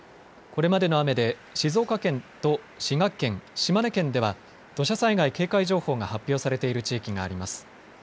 これまでの雨で静岡県と滋賀県、島根県では土砂災害警戒情報が発表されている地域があります。